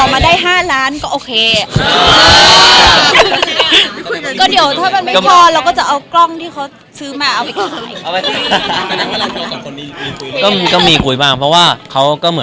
ไม่ต่อมาได้๕ล้านก็โอเค